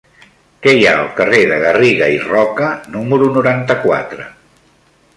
Què hi ha al carrer de Garriga i Roca número noranta-quatre?